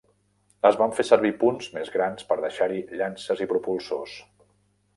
Es van fer servir punts més grans per deixar-hi llances i propulsors.